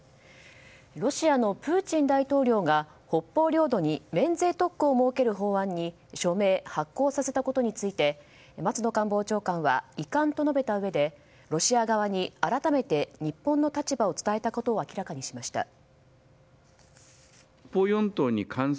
ロシアのプーチン大統領が北方領土に免税特区を設ける法案に署名・発効させたことについて松野官房長官は遺憾と述べたうえでロシア側に改めて日本の立場を伝えたことを明らかにしました。